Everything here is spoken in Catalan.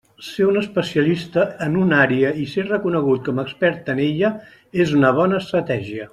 Ser un especialista en una àrea i ser reconegut com a expert en ella és una bona estratègia.